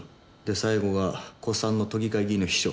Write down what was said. で最後が古参の都議会議員の秘書。